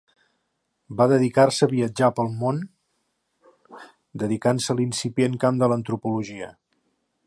Va dedicar-se a viatjar pel món dedicant-se a l'incipient camp de l'antropologia.